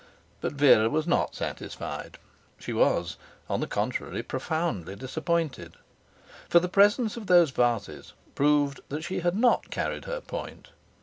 But Vera was not satisfied. She was, on the contrary, profoundly disappointed. For the presence of those vases proved that she had not carried her point.